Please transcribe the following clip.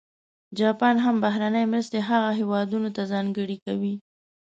جاپان هم بهرنۍ مرستې هغه هېوادونه ته ځانګړې کوي.